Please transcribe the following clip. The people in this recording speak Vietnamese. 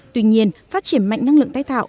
tuy nhiên phát triển mạnh năng lượng tái tạo